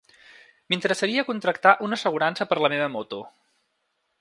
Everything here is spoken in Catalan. M'interessaria contractar una assegurança per a la meva moto.